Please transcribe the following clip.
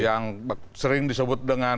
yang sering disebut dengan